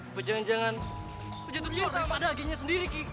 apa jangan jangan lo jatuh jor di pada agenya sendiri ki